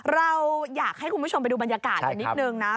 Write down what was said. เราอยากให้คุณผู้ชมไปดูบรรยากาศกันนิดนึงนะ